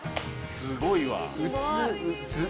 すごいわ！